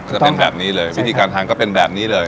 จะเป็นแบบนี้เลยวิธีการทานก็เป็นแบบนี้เลย